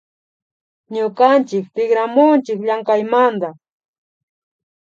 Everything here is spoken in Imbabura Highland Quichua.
Ñukanchik tikramunchi llamkaymanta